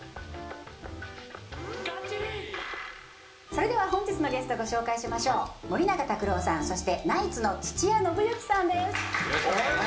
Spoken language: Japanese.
それでは本日のゲストご紹介しましょう森永卓郎さんそしてナイツの土屋伸之さんですよろしくお願いします